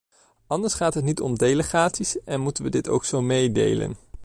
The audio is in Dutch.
Anders gaat het niet om delegaties en moeten we dit ook zo meedelen.